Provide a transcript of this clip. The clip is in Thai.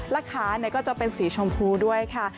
และขาก็จะเป็นสีชมพูด้วยค่ะ